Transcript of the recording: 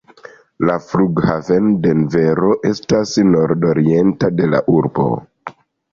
La Flughaveno Denvero estas nordorienta de la urbo.